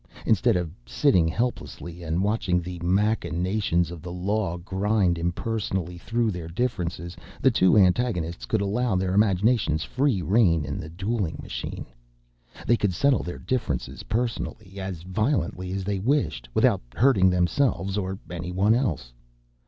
Instead of sitting helplessly and watching the machinations of the law grind impersonally through their differences, the two antagonists could allow their imaginations free rein in the dueling machine. They could settle their differences personally, as violently as they wished, without hurting themselves or anyone else.